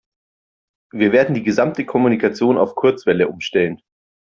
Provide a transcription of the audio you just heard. Wir werden die gesamte Kommunikation auf Kurzwelle umstellen.